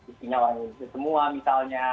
istinya orang indonesia semua misalnya